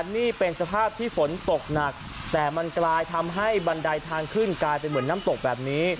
นี่เป็นสภาพที่ฝนตกหนักแต่มันกลายทำให้บันไดทางขึ้นกลายเป็นเหมือนน้ำตกแบบนี้